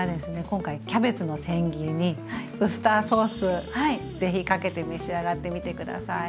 今回キャベツの千切りにウスターソースぜひかけて召し上がってみて下さい。